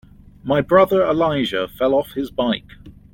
My brother Elijah fell off his bike.